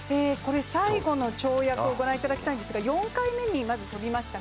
最後の跳躍を御覧いただきたいんですが、４回目に跳びました